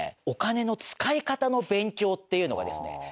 お金の使い方の勉強っていうのがですね